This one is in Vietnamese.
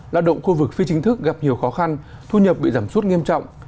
lao động khu vực phi chính thức gặp nhiều khó khăn thu nhập bị giảm suốt nghiêm trọng